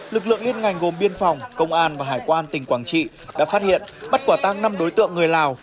lực lượng liên ngành gồm biên phòng công an và hải quan tỉnh quảng trị đã phát hiện bắt quả tăng năm đối tượng người lào